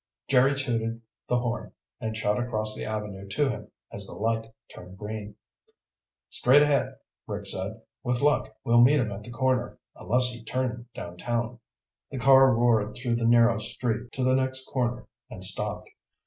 Jerry tooted the horn and shot across the avenue to him as the light turned green. "Straight ahead," Rick said. "With luck, we'll meet him at the corner, unless he turned downtown." The car roared through the narrow street to the next corner and stopped.